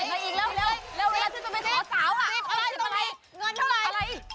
กูชนะ๑๐ทิศ